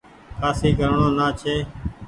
کآسي ڪرڻو نآ ڇي ۔